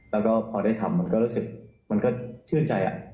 แล้วก็พอได้ทำมันก็รู้สึกมันก็ชื่นใจ